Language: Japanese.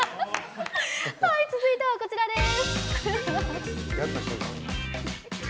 続いては、こちらです。